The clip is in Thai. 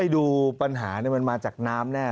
ดูปัญหามันมาจากน้ำแน่